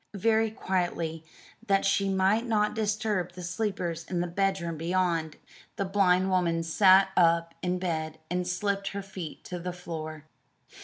Very quietly, that she might not disturb the sleepers in the bedroom beyond, the blind woman sat up in bed and slipped her feet to the floor.